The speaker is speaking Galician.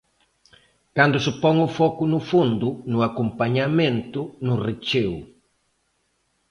Cando se pon o foco no fondo, no acompañamento, no recheo.